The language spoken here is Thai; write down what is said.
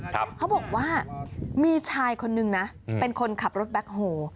เขาบอกว่ามีชายคนนึงนะเป็นคนขับรถแบ็คโฮ